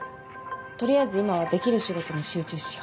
とりあえず今はできる仕事に集中しよ。